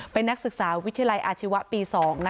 เป็นนักศึกษาวิทยาลัยอาชีวะปี๒